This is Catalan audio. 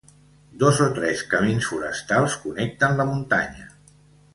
Dos o tres camins forestals connecten la muntanya.